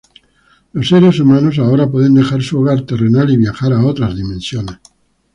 Los seres humanos ahora pueden dejar su hogar terrenal y viajar a otras dimensiones.